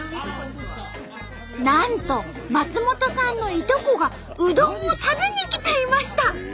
なんと松本さんのいとこがうどんを食べに来ていました。